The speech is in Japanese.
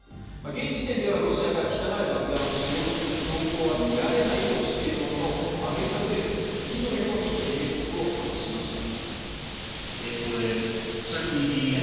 現時点ではロシアが汚い爆弾を使用する兆候は見られないとしているもののアメリカ政府次のように警告を発しました。